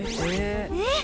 えっ？